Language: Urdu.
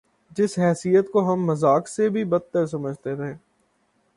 جس حیثیت کو ہم مذاق سے بھی بد تر سمجھتے تھے۔